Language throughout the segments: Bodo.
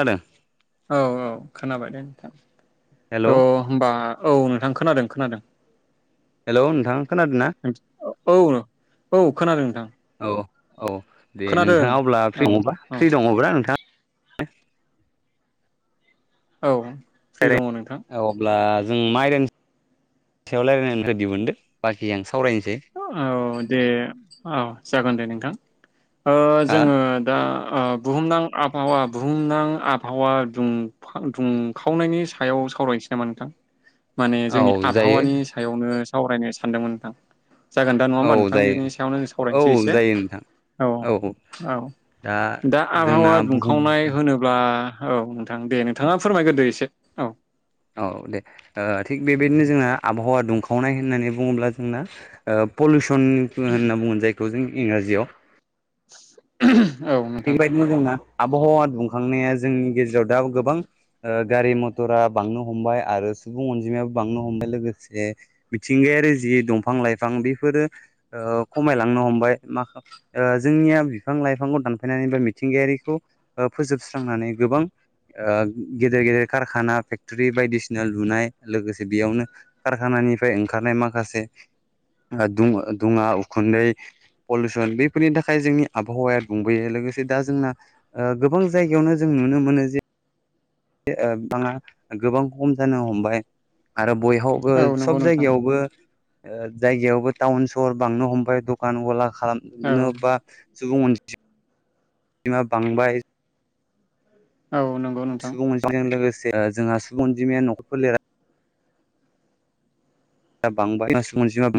अदों औ औ खोनाबाय दे नोंथां हेलौ थ' होनबा औ नोंथां खोनादों खोनादों हेल' नोंथां खोनादों ना औ औ खोनादों नोंथां औ औ दे खोनादों नोंथाङा अब्ला औ फ्रि नङबा औ फ्रि दङब्रा नोंथाङा [unintelligible] औ फ्रि दङ नोंथां रायलाय औ अब्ला जों माइराय सायाव रायज्लाय रदि मोनदों बाखि आं सान औ दे औ जागोन दे नोंथां ओ, हा जोङो दा बुहुमनां आबहावा बुहुमनां आबहावा दुंखावनायनि सायाव सावरायनोसै नामा नोंथां माने औ जोंनि जायो आबहावानि सायावनो सावरायनो सानदोंमोन नोंथां जागोन दा नङा औ होमबा नोंथां बेनि जायो सायावनो औ सावरायनोसै एसे जायो नोंथां औ औ दा जोंना आबहावा बुहुम दुंखावनाय होनोबा औ नोंथां दे नोंथाङा फोरमायग्रोदो एसे औ औ दे ओ, थिग बेबायदिनो जोंना आबहावा दुंखावनाय होननानै बुङोब्ला जोंना पलुसन [unintelligible] बुङो जायखौ जों इंराजियाव [inaudible] बेबादिनो दं ना आबहावा बुंखांनाया जोंनि गेजेराव दा गोबां ओ गारि मथरा बांनो हमबाय आरो सुबुं अनजिमायाबो बांनो हमबाय लोगोसे मिथिंगायारि जि दंफां लाइफां बेफोरो ओ खमायलांनो हमबाय मा ओ जोंनिया बिफां लाइफांखौ दान नायनानै बा मिथिंगायारिखौ फोजोबस्रांनानै गोबां गेदेर गेदेर कारखाना फेक्टरि बायदिसिना लुनाय लोगोसे बेयावनो कारखाना निफ्राय ओंखारनाय माखासे दुङा उखुन्दै पलुसन बैफोरनि थाखाय जोंनि आबहावाया बुं बैयो लोगोसे दा ओ जोंना गोबां जायगायावनो जों नुनो मोनो जे ओ बिबांङा गोबां खम जानो हमबाय आरो बयहावबो औ नंगौ सब नोंथां जायगायावबो ओ जायगायावबो टाउन सहर बांनो हमबाय दखान गला औ खालामनो बा सुबुं अन बिबांआ बांबाय औ नंगौ नोंथां सुबुं अनजिमाजों लोगोसे जोंहा सुबुं अनजिमाया न'खर फोलेरा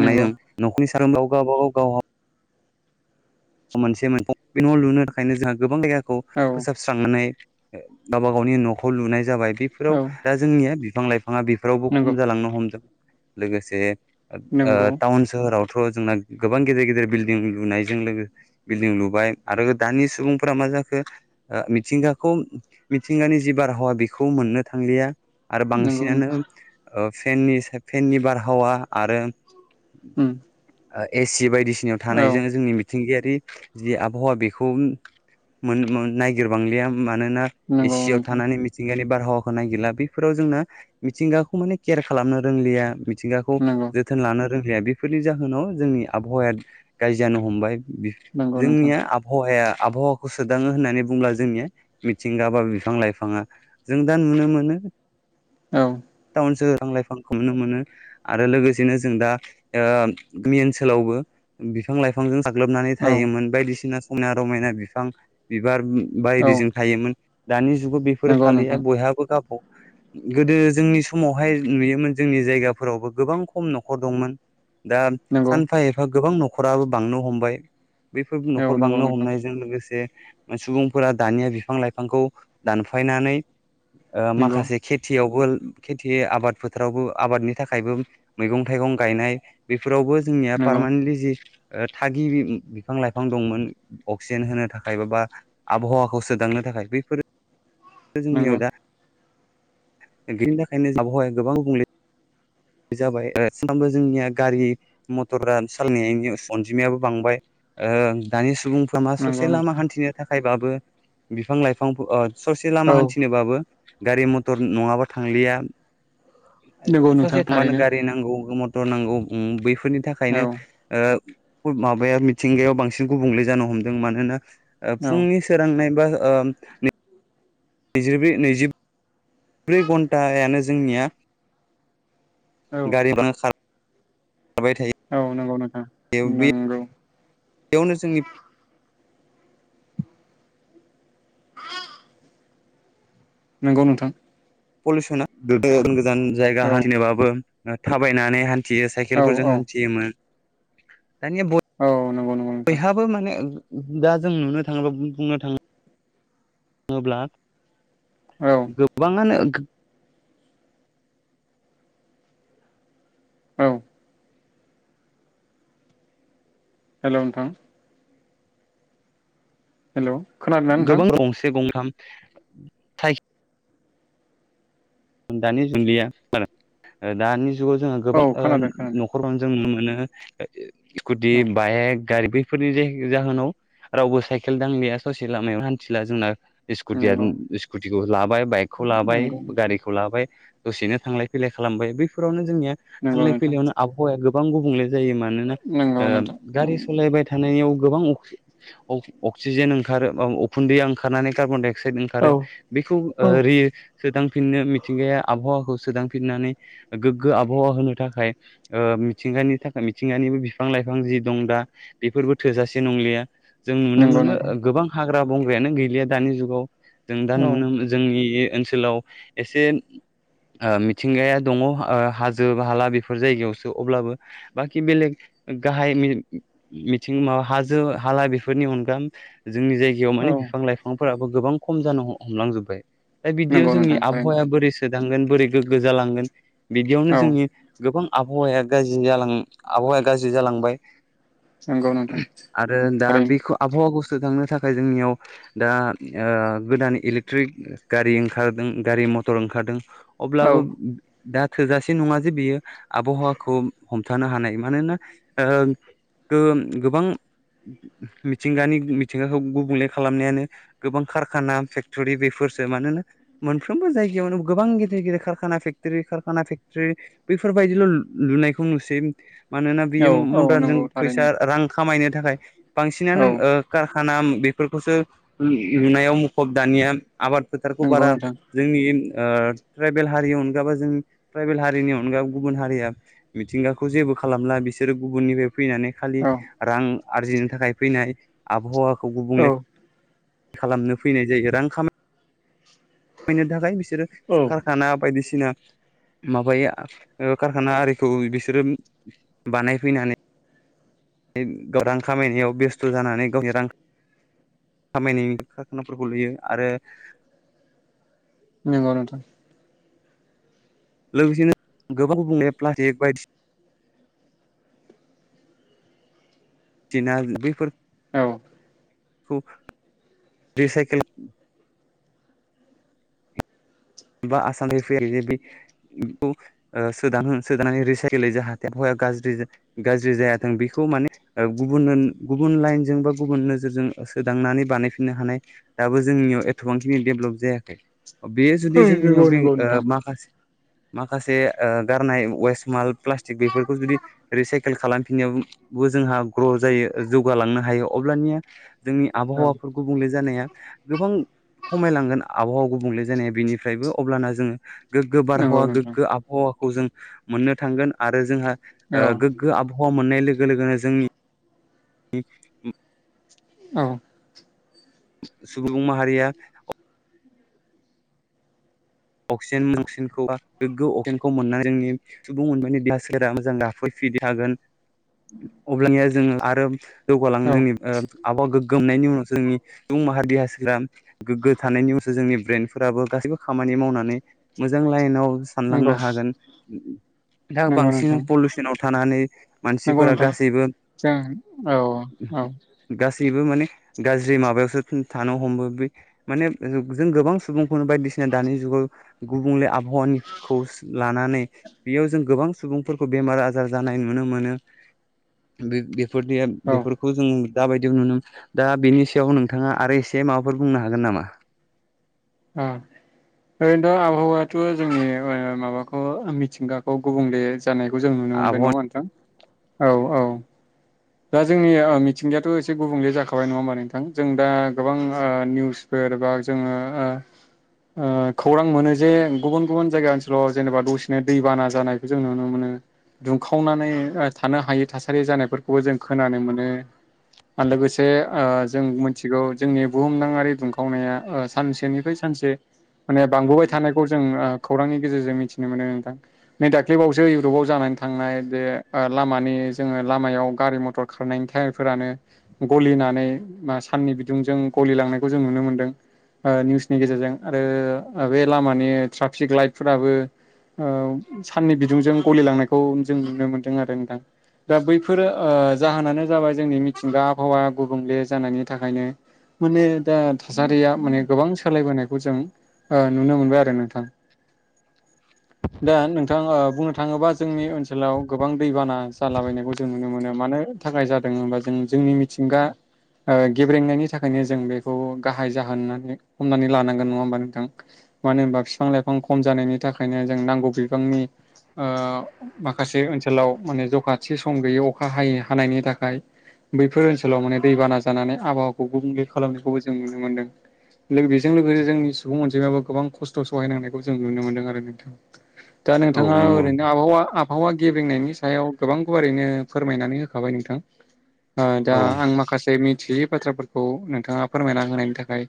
नंगौ मोनसे मोनफाल' न' लुनो थाखायनो जोंहा गोबां जायगाखौ औ फोसाबस्रांनानै गावबा गावनि न'खौ लुनाय जाबाय। बेफोराव दा जोंनिया बिफां लाइफां बिफाङा बेफोरावबो नंगौ खम जालांनो हमदों। लोगोसे नंगौ टाउन ओ सोहोराव थ' जोंना गोबां गदेर गेदेर बिल्डिं लुनायजों लोगो बिल्डिं लुबाय आरो दानि सुबुंफोरा मा जाखो मिथिंगाखौ मिथिंगानि जि बारहावा बेखौ मोननो थांलिया। आरो नंगौ बांसिनानो नोंथां ओ फेननि फेननि बारहावा आरो [inaudible] ए सि बायदिसिनायाव थानाय औ जोङो जोंनि मि थिंगायारि जि आबहावा बेखौ मोन-मोननो नागिरबांलिया। मानोना ए नंगौ सि आव नोंथां थानानै मिथिंगानि बारहावाखौ नागिरला। बेफोराव जोंना मिथिंगाखौ माने केयार खालामनो रोंलिया। मिथिंगाखौ नंगौ जोथोन लानो रोंलिया। बेफोरनि जाहोनाव जोंनि आबहावाया गाजि जानो हमबाय। नंगौ नोंथां जोंनिया आबहावाया आबहावाखौ सोदाङो होननानै बुंब्ला जोंनिया मिथिंगा बा बिफां लाइफाङा। जों दा नुनो मोनो [inaudible] औ। [unintelligible] लाइफांखौ नुनो मोनो आरो लोगोसेनो जों दा ओ गामि ओनसोलावबो बिफां लाइफांजों साग्लोबनानै औ थायोमोन। बायदिसिना समायना रमायना बिफां, बिबार औ बायदिजों थायोमोन। दानि जुगाव बेफोरो नंगौ थलिया नोंथां बयहाबो गाबा गोदो जोंनि समावहाय नुयोमोन जोंनि जायगाफोरावबो गोबां खम न'खर दंमोन। दा नंगौ सानफा एफा गोबां न'खराबो बांनो हमबाय। बेफोर औ न'खर नंगौ बांनो नोंथां हमनायजों लोगोसे सुबुंफोरा दानिया बिफां लाइफांखौ दानफायनानै ओ नंगौ माखासे खेथि यावबोल खेथि आबाद फोथारावबो आबादनि थाखायबो मैगं थाइगं गायनाय, बेफोरावबो बो जोंनिया नंगौ नंगौ पार्मानेन्टलि जि ओ थागिबि बिफां लाइफां दंमोन, अक्सिजेन होनो थाखाय बा आबहावाखौ सोदांनो थाखाय बे बेफोर जोंनियाव दा बिनि थाखायनो आबहावाया गोबां गुबुंले जाबाय। सानफ्रामबो जोंनिया गारि मथरा सालायनायनि अनजिमायाबो बांबाय। ओ दानि सुबुं लामा नंगौ ससे लामा नोंथां हान्थिनो थाखायबाबो बिफां लाइफां ओ ससे औ लामा हान्थिनोबाबो गारि मथर नङाबा थांलिया। नंगौ नोंथां ससे थांबानो थारैनो गारि नांगौ, मथर नांगौ, बै फोरनि औ थाखायनो ओ माबाया मिथिंगायाव बांसिन गुबुंले जानो हमदों। मानोना ओ औ फुंनि सोरांनाय बा ओ नैजिब्रै नैजिब्रै घन्टायानो जोंनिया औ [unintelligible] औ नंगौ नोंथां थायो नंगौ। बेयावनो जोंनि नंगौ नोंथां। पलुसना गोजान गोजान जायगा औ होनथिनोबाबो थाबायनानै हान थियो औ साइखेलफोरजों हान्थियोमोन। दानिया औ नंगौ नंगौ नोंथां बयहाबो माने दा जों नुनो थाङोब्ला बुंनो थाङो बुङोब्ला औ गोबाङानो औ। हेल' नोंथां? हेल' खोनादोंना नोंथां गोबां गंसे गंथाम थाइखि दानि जुनलिया दानि जुगाव जोंहा औ गोबां खोनादों खोनादों नखरफ्रावनो जों नुनो मोनो स्कुटि औ बाइक गारि बैफोरनि जाय जाहोनाव रावबो साइकेल दांलिया ससे लामायाव हान्थिला जोंना स्कुया नंगौ स्कुटिखौ लाबाय बाइकखौ लाबाय नंगौ गारि दसेनो थांलाय फैलाय खालामबाय बैफोरावनो जोंनिया नंगौ थां नोंथां फैनो आबहावाया गोबां गुबले नंगौ नोंथां गारि सालाय थानायाव गोबां अक्सिजेन ओंखारो उखुन्दैया ओंखारनानै कार्बन अक्साइद औ ओंखारो बेखौ औ रि सोदांफिननो मिथिंगाया आबहावाखौ सोदांफिननानै गोग्गो आबहावा होनो थाखाय ओ मिथिंगानि थाखाय मिथिंगानि बिफां लाइफां जि दं दा बेफोरबो थोजासे नंलिया जों नुनो नंगौ मोनो नोंथां गोबां हाग्रा बंग्रायानो गैलिया दानि जुगाव जों दा औ नुनो जोंनि ओनसोलाव एसे मिथिंगाया दङ हाजो हाला बेफोर जायगायावसो अब्लाबो बाखि बेलेग गाहाय मिथिं माबा हाजो हाला बेफोरनि अनगा जोंनि जायगायाव औ माने बिफां लाइफांफोराबो गोबां खम जानो हमलांजोब्बाय दा बिदियाव नंगौ जोंनि नोंथां थारैनो आबहावाया बोरै सोदांगोन बोरै गोग्गो जालांगोन बिदियावनो औ जोंनि गोबां आबहावाया गाज्रि जालां आबहावाया गाज्रि जालांबाय। नंगौ नोंथां आरो दा थारैनो बेखौ आबहावाखौ होखांनो थाखाय जोंनियाव दा ओ गोदान इलेकट्रिक गारि ओंखारदों। गारि मथर ओंखारदों अब्लाबो औ दा थोजासे नङा जे बियो आबहावाखौ हमथानो हानाय मानोना ओ गोम गोबां मिथिंगानि मिथिंगाखौ गुबुंले खालामनायानो गोबां कारखाना फेक्टरि बेफोर [inaudible] मोनफ्रोमबो जायगायावनो गोबां गेदेर गिदिराना फेक्टरि खाना फेक्टरि बेफोरबायदिल' नायखौ नुसै मि मानोना बेयो औ औ मडार्नजों नंगौ थारैनो फैसा रां खामायनो थाखाय औ बांसिनानो ओ कारखाना बेफोरखौसो लुनायाव मुखुब दानिया आबाद फोथारखौ नंगौ बारा नोंथां जोंनि ओ थ्राइभेल हारिनि अनगाबो जों थाइभेल हारिनि अनगा गुबुन हारिआ मिथिंगा खौ जेबो खालामला बिसोर गुबनिफ्राय फैनानै खालि औ रां आरजिनो थाखाय फैनाय आबहावाखौ औ गुबुंले खालामनो फैनाय जायो रां खामाय खायनो थाखाय बिसोरो औ कारखाना बायदिसिना माबाया ओ कारखाना आरिखौ बिसोरो बानायफैनानै गरां खामायनायाव बेस्थ' जानानै गावनि रां खामायनायनि खारखानाफोरखौ लुयो आरो नगनोथ लोगोसेनो गोबां गुबनाय प्लास्टिक बायदिसिना दिना बैफोर औ खौ रिसाइकेल बा आसामनि फैयो बेखौ ओ सोदांङो रिसाइकलै जाहाथे आबहावा गाज्रि जायाथों बेखौ माने गुब गुबुन लाइनजों बा गुबुन नोजोरजों सोदांनानै बानायफिननो हानाय दाबो जोंनियाव एथ'बांखिनि डेभेलप जायाखै बे जुदि जोंनियाव नंगौ बे नंगौ नोंथां माखासे माखासे गारनाय वेस्ट माल प्लास्टिक बेफोरखौ जुदि रिसाइकेल खालामफिनायाव बो जोंहा ग्र' जायो जौगालांनो हायो अब्लानिया जोंनि औ आबहावाफोर गुबुंले जानाया गोबां खमायलांगोन आबहावा गुबुंले जानाया बेनि निफ्रायबो अब्लाना जोङो गोग्गो नंगौ बारहावा नोंथां गोग्गो आबहावा खौ जों मोननो थांगोन आरो जोंहा औ गोग्गो आबहावा मोननाय लोगो लोगोनो जोंनि [unintelligible] औ। सुबुं माहारिया अक्सिजेन मसिजनखौ गोग्गो अक्सिजेनखौ मोननानै जोंनि सुबुं मोनबानि देहा सोरा मोजां गफै बिदि हागोन अब्लानिया जोंङो आरो औ जौगालांनो ओ आबहावा गोगो गोमनायनि उनाव जोंनि सुबुं माहारि ओ गोग्गो थानायनि उनावसो जोंनि ब्रेेनफोराबो गासैबो खामानि निमावनानै मोजां लाइनाव नंगौ सानलांनो हागोन दा नंगौ बांसिन नोंथां पलिउसनाव थानानै नंगौ मानसिफोरा नोंथां गासैबो जों औ औ दैबो माने गाज्रि माबायावसो थानो हमबोबाय माने जों गोबां सुबुंखौनो बायदिसिना दानि जुगाव गुबुंले आबहावानिखौ लानानै बेयाव जों गोबां सुबुंफोरखौ बेमार बेमार आजार जानाय नुनो मोनोफोर औ बेफोरखौ जों जाबायदियाव नुनो दा बेनि सायाव नोंथाङा आरो एसे माबाफोर बुंनो हागोन नामा उम ओरैनोथ' आबहावायाथ' जोंनि माबाखौ मिथिंगाखौ गुबुंले जानायखौ जों नुनो मोनबाय आबहावा नङा नोंथां औ औ दा जोंनि मिथिंगायाथ एसे गुबुंले जाखाबाय नङा होमबा नोंथां जों दा गोबां निउसफोर सोरबा जोङो खौरां मोनो जे गुबुन गुबुन जायगा ओनसोलाव जेनेबा दसेनो दैबाना ज जानायखौ जों नुनो मोनो दुंखावनानैओ थानो हायि थासारि जानाय फोरखौ खौबो जों खोनानो मोनो आरो ओ लोगोसे जों मिथिगौ जोंनि बुहुमदाङि दुंखावनाया ओ सानसेनिफ्राय सान मोनसे माने बांबोबाय थानायखौ जों खौरांनि गेजेरजों मिथिनो मोनो नोंथां नै दाख्लैबावसो इउरपाव जानानै थांनाय बे लामानि जोङो लामायाव गारि मथर खारनायनि फोरानो गलिनानै साननि बिदुंजों गलि लांनायखौ जों नुनो मोन नु मोनदों निउसनि गेजेरजों आरो बे लामानि ट्राफिक लाइटफोराबो औ साननि बिदुंजों गलिलांनायखौ जों नुनो मोनदों आरो नोंथां दा बैफोरो ओ जाहोनानो जाबाय जोंनि मिथिंगा आबहावाया गुबुंले जानायनि थाखायनो माने दा थासारिया माने गोबां सोलायबोनायखौ जों ओ नुनो मोनबाय आरो नोंथां [inaudible] दा नोंथां बुंनो थाङोबा जोंनि ओनसोलाव गोबां दैबाना जालाबायनायखौ जों नुनो मोनो मानो थाखाय जादों होनबा जों जोंनि मिथिंगा ओ गेब्रेंनायनि थाखायनो जों बेखौ गाहाय जाहोन होननानै हमनानै लानांगोन नङा होमबा नोंथां? मानो होनबा बिफां लाइफां खम जानायनि थाखायनो जों नांगौ बिबांनि ओ माखासे ओनसोलाव माने जखाथि सम गैयै अखा है हानायनि थाखाय बैफोर ओनसोलाव माने दैबाना जानानै आबहावाखौ गुबुंले खालामनायखौबो जों नुनो मोनदों बेजों लोगोसे जोंनि सुबुं अनजिमाबो गोबां खस्थ' सहायनांनायखौ जों नुनो मोनदों आरो नोंथां दा औ नोंथाङा नंगौ ओरैनो आबहावा आबहावा गेबेेंनायनि सायाव गोबांखौ ओरैनो फोरमायनानै होखाबाय नोंथां । दा औ आं माखासे मिथियै बाथ्राफोरखौ नोंथाङा फोरमायना होनायनि थाखाय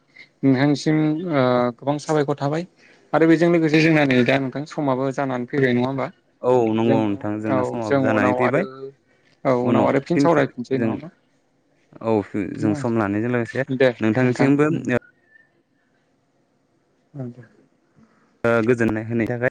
नोंथां जोंनि ओ गोबां साबायखर थाबाय आरो बेजों लोगोसे जोंना नै दा नोंथां समाबो जानानै फैबाय नङा होमबा? औ नंगौ जों नोंथां औ जोंना समाबो जों जानानै फैबाय औ उनाव आरो फिन सावरायफिनसै नङाबा । औ जों सम लानायजों लोगोसे दे नोंथां नोंथांनिसिमबो [unintelligible] गोजोननाय होननि थाखाय